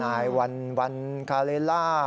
นายวันวันกาเลล่า